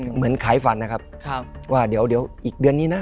เหมือนขายฝันนะครับว่าเดี๋ยวอีกเดือนนี้นะ